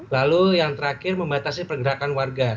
lalu yang terakhir membatasi pergerakan warga